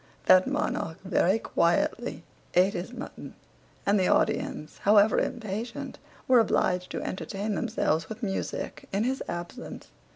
that monarch very quietly eat his mutton, and the audience, however impatient, were obliged to entertain themselves with music in his absence.